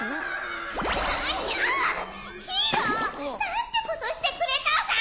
何てことしてくれたさ！？